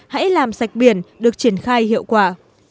hãy làm sạch biển được triển khai hiệu quả